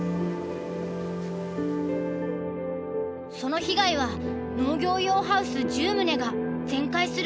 その被害は農業用ハウス１０棟が全壊するほどだった。